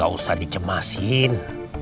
gak usah dicemasin